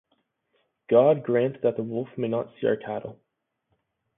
God grant that the wolf may not see our cattle.